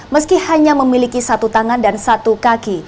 meski hanya memiliki satu tangan dan satu kaki